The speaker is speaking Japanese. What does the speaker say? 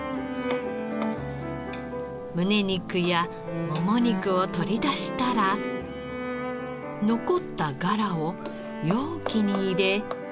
むね肉やもも肉を取り出したら残ったガラを容器に入れ。